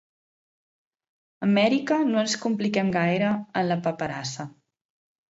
Amèrica no ens compliquem gaire en la paperassa.